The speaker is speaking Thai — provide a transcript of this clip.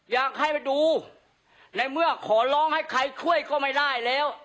อยากให้ไปดูในเมื่อขอร้องให้ใครช่วยก็ไม่ได้แล้ว